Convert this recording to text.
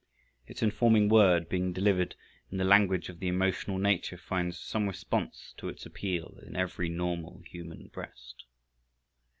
Its informing word being delivered in the language of the emotional nature finds some response to its appeal in every normal human breast.